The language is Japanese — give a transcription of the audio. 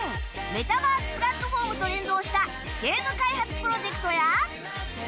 メタバースプラットフォームと連動したゲーム開発プロジェクトや